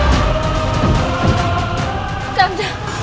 dia yang santai